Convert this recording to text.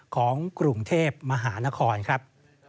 ของกรุงเทพมหานครครับ